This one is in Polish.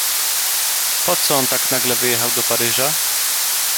"...Poco on tak nagle wyjechał do Paryża?..."